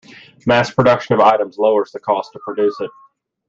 Mass production of items lowers the cost to produce it.